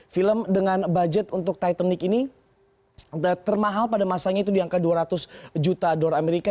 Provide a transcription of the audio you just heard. film dengan budget untuk titanic ini termahal pada masanya itu di angka dua ratus juta dolar amerika